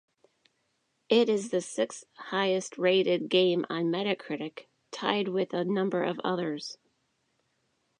It is the sixth-highest rated game on Metacritic, tied with a number of others.